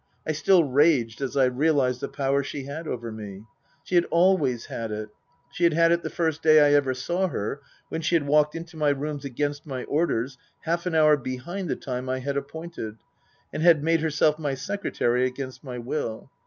I still raged as I realized the power she had over me. She had always had it. She had had it the first day I ever saw her, when she had walked into my rooms against my orders, half an hour behind the time I had appointed, and had made herself my secretary against my will.